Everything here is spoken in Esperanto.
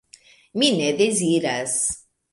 Mi ne deziras!